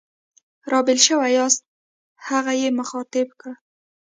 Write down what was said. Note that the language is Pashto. را بېل شوي یاست؟ هغه یې مخاطب کړ.